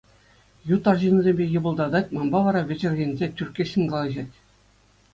Ют арҫынсемпе йӑпӑлтатать, манпа вара вӗчӗрхенсе, тӳрккессӗн калаҫать.